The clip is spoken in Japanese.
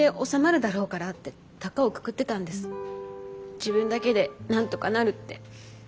自分だけでなんとかなるって。